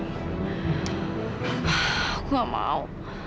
aku gak mau